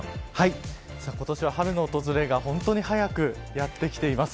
今年は春の訪れが本当に早くやってきています。